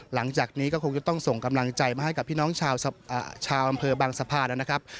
หลังจากนี้ก็คงจะต้องส่งกำลังใจมาให้กับพี่น้องชาวอำเภอบางสะพานนะครับ